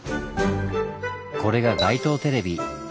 これが街頭テレビ。